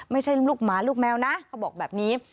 ไม่ใช่ลูกหมาลูกแมวนะเขาบอกแบบนี้